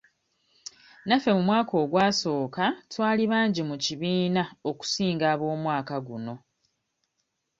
Naffe mu mwaka ogwasooka twali bangi mu kibiina okusinga ab'omwaka guno.